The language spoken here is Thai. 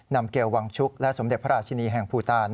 เกลวังชุกและสมเด็จพระราชินีแห่งภูตาล